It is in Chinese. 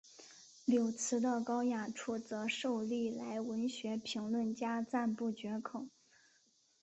柳词的高雅处则受历来文学评论家赞不绝口。